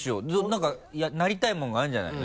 なんかなりたいものがあるんじゃないの？